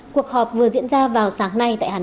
cuộc họp vừa diễn ra vào sáng nay tại hà nội